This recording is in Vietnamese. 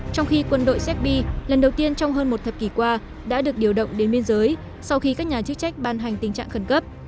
trong khi quân đội she lần đầu tiên trong hơn một thập kỷ qua đã được điều động đến biên giới sau khi các nhà chức trách ban hành tình trạng khẩn cấp